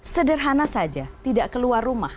sederhana saja tidak keluar rumah